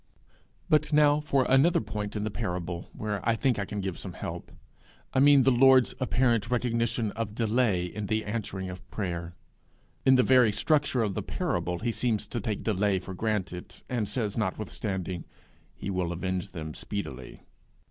But now for another point in the parable, where I think I can give some help I mean the Lord's apparent recognition of delay in the answering of prayer: in the very structure of the parable he seems to take delay for granted, and says notwithstanding, 'He will avenge them speedily!'